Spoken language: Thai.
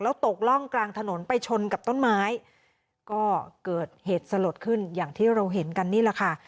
ตกร่องกลางถนนไปชนกับต้นไม้ก็เกิดเหตุสลดขึ้นอย่างที่เราเห็นกันนี่แหละค่ะ